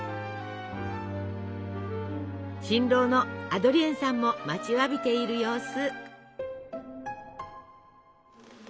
新郎のアドリエンさんも待ちわびている様子。